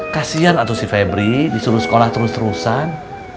kasian atau si febri disuruh sekolah terus terusan